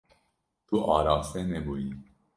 Tu araste nebûyî.